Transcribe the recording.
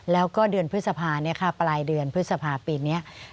แล้วก็เดือนพฤษภาปลายเดือนพฤษภาปีนี้